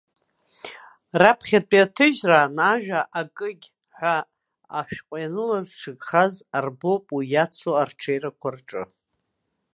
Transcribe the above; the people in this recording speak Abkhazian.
Раԥхьатәи аҭыжьраан ажәа акыгь ҳәа ашәҟәы ианылаз шыгхаз арбоуп уи иацу арҽеирақәа рҿы.